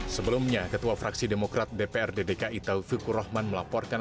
sebelumnya ketua fraksi demokrat dprd dki taufik kurohman melaporkan